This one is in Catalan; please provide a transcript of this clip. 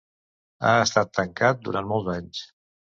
Ha estat tancat durant molts anys.